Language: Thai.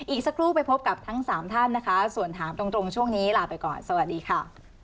อีกสักครู่ไปพบกับทั้งสามท่านนะคะส่วนถามตรงช่วงนี้ลาไปก่อนสวัสดีค่ะ